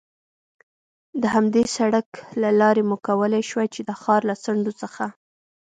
د همدې سړک له لارې مو کولای شوای، چې د ښار له څنډو څخه.